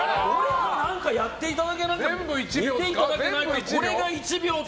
何かやっていただけないかと。